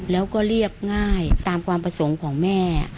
แล้วก็เรียบง่ายตามความประสงค์ของแม่